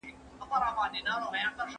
په شريعت کي د ملکيت حق ثابت سوی دی.